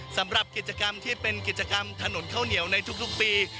สำหรับกิจกรรมที่เป็นกิจกรรมถนนข้าวเหนียวในทุกปี